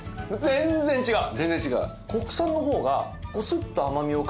全然違う？